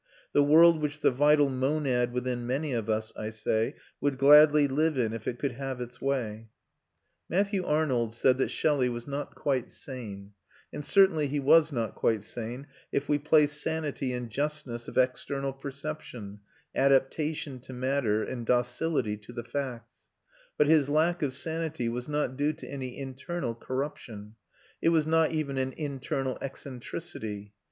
the world which the vital monad within many of us, I say, would gladly live in if it could have its way. Matthew Arnold said that Shelley was not quite sane; and certainly he was not quite sane, if we place sanity in justness of external perception, adaptation to matter, and docility to the facts; but his lack of sanity was not due to any internal corruption; it was not even an internal eccentricity.